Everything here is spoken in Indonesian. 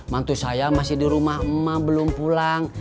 mantu saya masih di rumah emak belum pulang